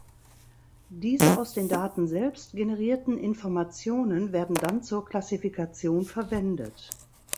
Diese aus den Daten selbst generierten Informationen werden dann zur Klassifikation verwendet.